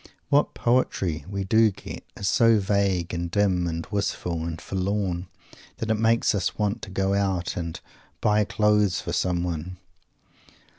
What "poetry" we do get is so vague and dim and wistful and forlorn that it makes us want to go out and "buy clothes" for someone.